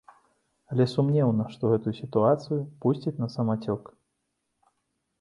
Але сумнеўна, што гэтую сітуацыю пусцяць на самацёк.